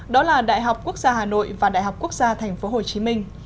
đó là đại học quốc gia hà nội và đại học quốc gia tp hcm